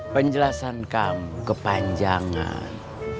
penjelasan kamu kepanjangan